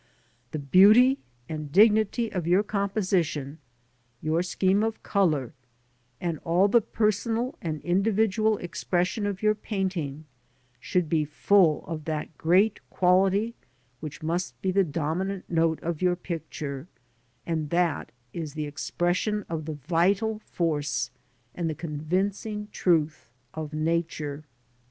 The beauty and dignity of your composition, your scheme of colour, and all the personal and individual expression of your painting, should be full of that great quality which must be the dominant note of your picture, and that is the expression of the vital force and the convincing truth of Nature.